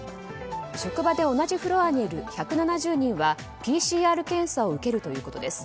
職場で同じフロアにいる１７０人はＰＣＲ検査を受けるということです。